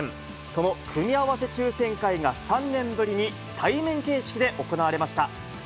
その組み合わせ抽せん会が、３年ぶりに対面形式で行われました。